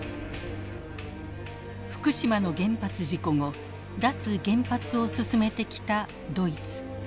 福島の原発事故後脱原発を進めてきたドイツ。